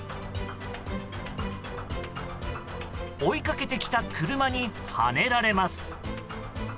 追いかけてきた車にはねられます。